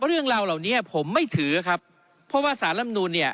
เรื่องราวเหล่านี้ผมไม่ถือครับเพราะว่าสารลำนูนเนี่ย